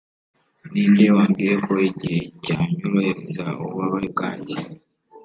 Ninde wambwiye ko igihe cyanyorohereza ububabare bwanjye